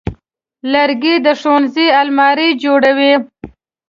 لرګی د ښوونځي المارۍ جوړوي.